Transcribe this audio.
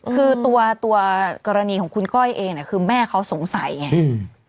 คือตัวตัวกรณีของคุณก้อยเองเนี่ยคือแม่เขาสงสัยไงอืม